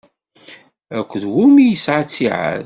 Akked wumi i yesɛa ttiɛad?